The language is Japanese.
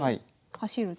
走ると。